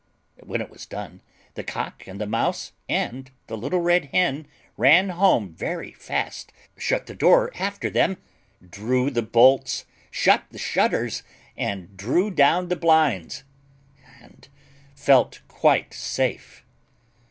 When it was done, the Cock and the Mouse and the little Red Hen ran home very fast, shut the door after them, drew the bolts, shut the shutters, and drew down the blinds and felt quite safe.